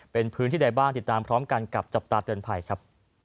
เป็นพื้นที่ใดบ้างติดตามพร้อมกันกับจับตาเตือนภัยครับ